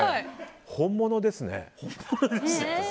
本物ですね。